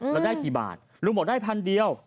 แล้วได้กี่บาทลุงบอกได้พันเดียว